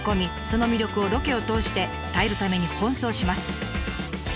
その魅力をロケを通して伝えるために奔走します。